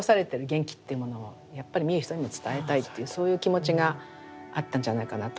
元気っていうものをやっぱり見る人にも伝えたいっていうそういう気持ちがあったんじゃないかなと思いますね。